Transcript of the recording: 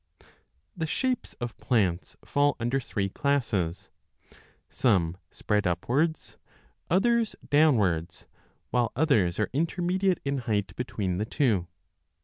The shapes of plants fall under three classes. Some spread upwards, others downwards, \vhile others are inter mediate in height between the two.